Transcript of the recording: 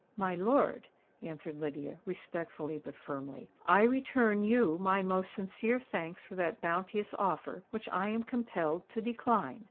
"My lord," answered Lydia, respectfully but firmly, "I return you my most sincere thanks for that bounteous offer which I am compelled to decline.